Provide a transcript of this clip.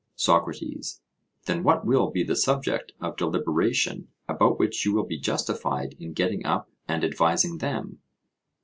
SOCRATES: Then what will be the subject of deliberation about which you will be justified in getting up and advising them?